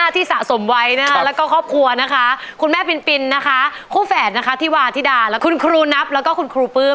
พี่แม่ปิ๋นคุณเวอร์นะคะคู่แฝดที่วาทิดาและคุณครูนัปและคุณครูปื้ม